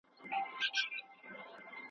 نو د لاندنۍ لیکني نشرول لوستل